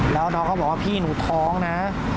แล้วน้องก็บอกว่าพี่หนูท้องนะ